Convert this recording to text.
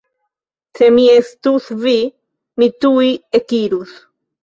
Se mi estus vi, mi tuj ekirus.